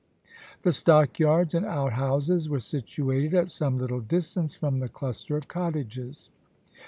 The stockyards and outhouses were situated at some little distance from the cluster of cottages.